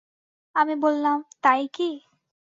আমি বললাম, তাই কি?